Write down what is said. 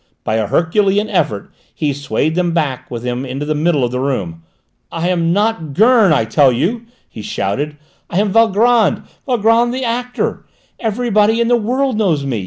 By an herculean effort he swayed them back with him into the middle of the room. "I am not Gurn, I tell you," he shouted. "I am Valgrand, Valgrand the actor. Everybody in the world knows me.